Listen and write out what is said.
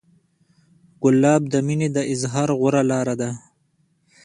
ګلاب د مینې د اظهار غوره لاره ده.